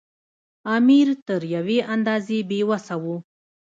امیر تر یوې اندازې بې وسه وو.